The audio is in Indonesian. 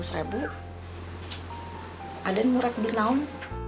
hai aden murad bernaung